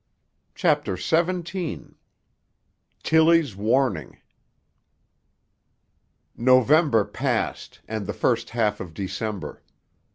CHAPTER XVII—TILLY'S WARNING November passed, and the first half of December.